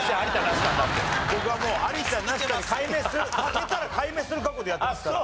僕はもう有田無太に改名する負けたら改名する覚悟でやってますから。